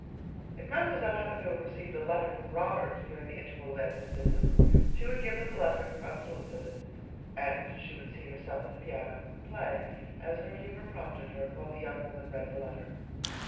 If Mademoiselle happened to have received a letter from Robert during the interval of Edna's visits, she would give her the letter unsolicited. And she would seat herself at the piano and play as her humor prompted her while the young woman read the letter.